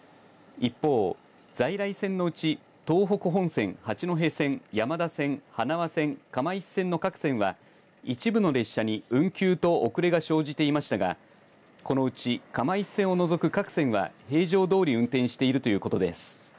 一方、在来線のうち東北本線、八戸線、山田線花輪線、釜石線の各線は一部の列車に運休と遅れが生じていましたがこのうち釜石線を除く各線は平常どおり運転しているということです。